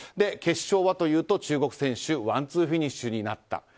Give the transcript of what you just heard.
決勝はというと、中国選手ワンツーフィニッシュになった。